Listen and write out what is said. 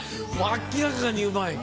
明らかにうまい！